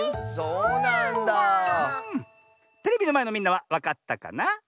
テレビのまえのみんなはわかったかなあ？